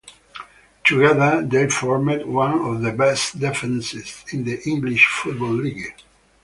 Together they formed one of the best defences in the English Football League.